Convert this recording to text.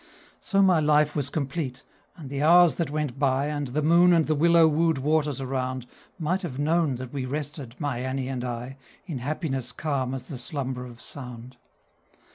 So my life was complete, and the hours that went by, And the moon and the willow wooed waters around, Might have known that we rested, my Annie and I, In happiness calm as the slumber of sound.